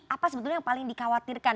apa sebetulnya yang paling dikhawatirkan